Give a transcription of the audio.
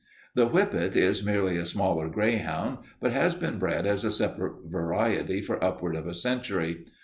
"The whippet is merely a smaller greyhound, but has been bred as a separate variety for upward of a century.